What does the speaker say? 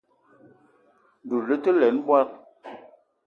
Doula le te lene mbogui.